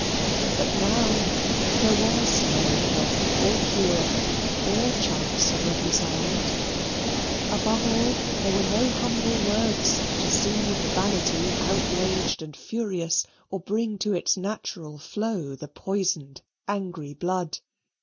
But now there was no help or cure, or chance of reconcilement: above all, there were no humble words to soothe vanity outraged and furious, or bring to its natural flow the poisoned, angry blood.